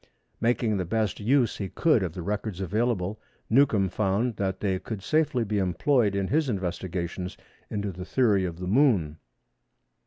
Making the best use he could of the records available Newcomb found that they could safely be employed in his investigations into the theory of the Moon.